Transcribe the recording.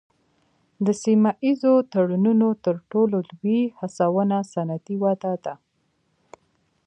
د سیمه ایزو تړونونو تر ټولو لوی هڅونه صنعتي وده ده